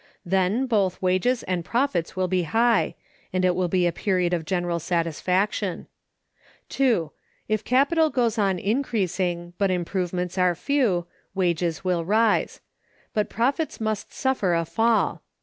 Then both wages and profits will be high, and it will be a period of general satisfaction. (2.) If capital goes on increasing, but improvements are few, wages will rise; but profits must suffer a fall.